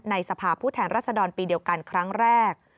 สภาพผู้แทนรัศดรปีเดียวกันครั้งแรก